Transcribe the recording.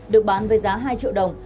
được bán với giá hai triệu đồng